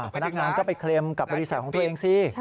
พนักงานก็ไปเคลมกับบริษัทของตัวเองสิ